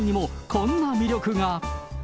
こんな魅力が。